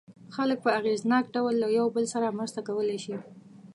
خلک په اغېزناک ډول له یو بل سره مرسته کولای شي.